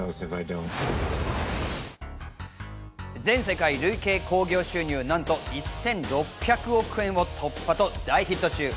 全世界累計興行収入、なんと１６００億円を突破と大ヒット中。